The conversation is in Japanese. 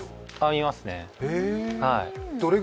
見ますね。